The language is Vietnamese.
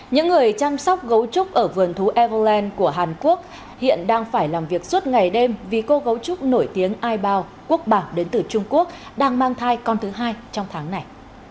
những người chăm sóc gấu trúc ở vườn thú everlen của hàn quốc hiện đang phải làm việc suốt ngày đêm vì cô gấu trúc nổi tiếng aibao quốc bảo đến từ trung quốc đang mang thai con thứ hai trong tháng này